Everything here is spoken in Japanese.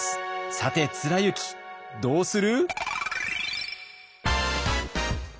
さて貫之どうする？